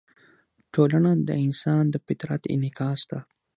ټولنه د انسان د فطرت انعکاس ده.